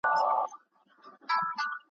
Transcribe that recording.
ګریوان څیري زړه داغدار په وینو رنګ